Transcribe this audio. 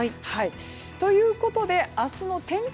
ということで、明日を天気